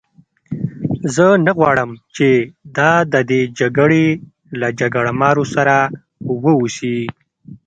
زه نه غواړم چې دا د دې جګړې له جګړه مارو سره وه اوسي.